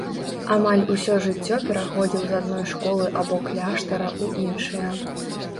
Амаль усё жыццё пераходзіў з адной школы або кляштара ў іншыя.